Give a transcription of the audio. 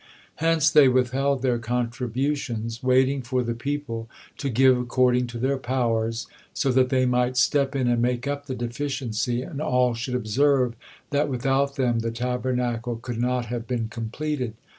Hence they withheld their contributions, waiting for the people to give according to their powers, so that they might step in and make up the deficiency, and all should observe that without them the Tabernacle could not have been completed.